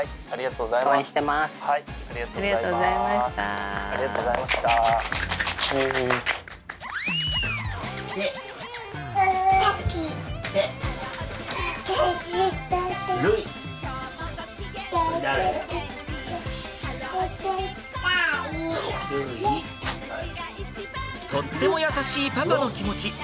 とっても優しいパパの気持ち。